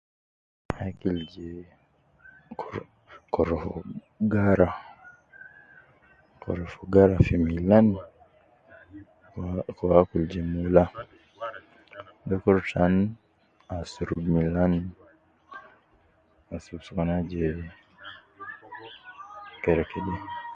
Akil je korofo gara, korofo gara fi milani, kede uwo akul ja mula. Dukur taani asurubu milani. Asurubu sokolin je kerekede.